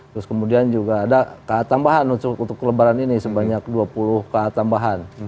terus kemudian juga ada ka tambahan untuk lebaran ini sebanyak dua puluh ka tambahan